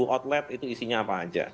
dua puluh enam outlet itu isinya apa saja